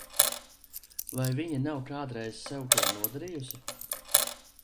Vai viņa nav kādreiz sev ko nodarījusi?